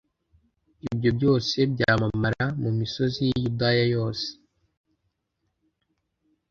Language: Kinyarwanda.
ibyo byose byamamara mu misozi y'i Yudaya yose.